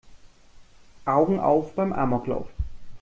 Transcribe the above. Augen auf beim Amoklauf!